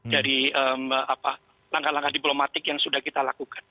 dari langkah langkah diplomatik yang sudah kita lakukan